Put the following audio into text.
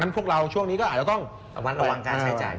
พวกเราช่วงนี้ก็อาจจะต้องระมัดระวังการใช้จ่าย